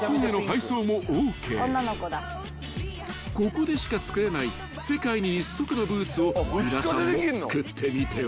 ［ここでしか作れない世界に１足のブーツを皆さんも作ってみては？］